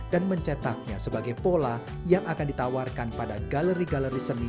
mencetaknya sebagai pola yang akan ditawarkan pada galeri galeri seni